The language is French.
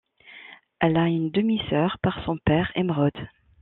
Elle a une demi-sœur par son père, Émeraude.